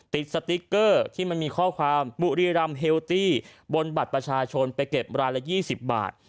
สติ๊กเกอร์ที่มันมีข้อความบุรีรำเฮลตี้บนบัตรประชาชนไปเก็บรายละ๒๐บาท